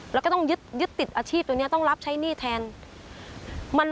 แล้วก็ต้องยึดติดอาชีพตรงนี้ต้องรับใช้หนี้แทน